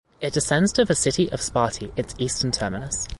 It descends to the city of Sparti, its eastern terminus.